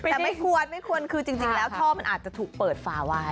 แต่ไม่ควรไม่ควรคือจริงแล้วท่อมันอาจจะถูกเปิดฝาไว้